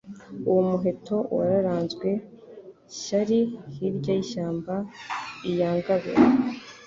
uwo muheto wararanzwe Shyali hirya y'ishyamba lya Ngabe